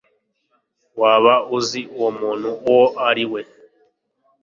waba uzi uwo muntu uwo ari we